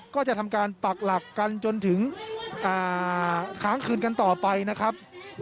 ก็จะทำการปักหลักกันจนถึงค้างคืนกันต่อไปนะครับ